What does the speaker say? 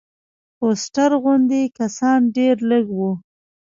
فوسټر غوندې کسان ډېر لږ وو.